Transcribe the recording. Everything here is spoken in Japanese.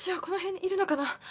この辺にいるのかな？